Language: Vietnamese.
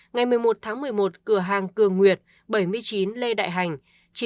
ngày một mươi một tháng một mươi một cửa hàng cường nguyệt bảy mươi chín lê đại hành